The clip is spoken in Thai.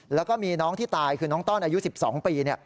แล้วก็มีน้องที่ตายคือน้องต้อนอายุ๑๒ปี